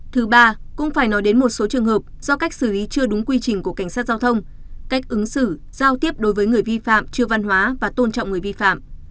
thứ ba cũng phải nói đến một số trường hợp do cách xử lý chưa đúng quy trình của cảnh sát giao thông cách ứng xử giao tiếp đối với người vi phạm chưa văn hóa và tôn trọng người vi phạm